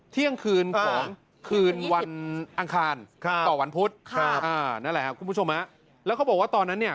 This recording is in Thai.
เที่ยงคืนของคืนวันอังคารต่อวันพุธครับอ่านั่นแหละครับคุณผู้ชมฮะแล้วเขาบอกว่าตอนนั้นเนี่ย